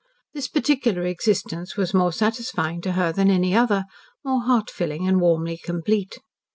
This particular existence was more satisfying to her than any other, more heart filling and warmly complete.